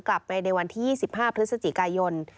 กลับไปในวันที่๒๕พฤศจิกายน